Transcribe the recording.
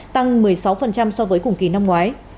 tăng một mươi sáu so với cùng kỳ năm ngoái